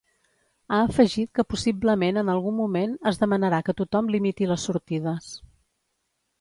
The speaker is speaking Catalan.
Ha afegit que possiblement en algun moment es demanarà que tothom limiti les sortides.